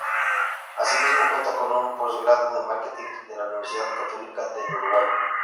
Asimismo cuenta con un Postgrado en Marketing de la Universidad Católica del Uruguay.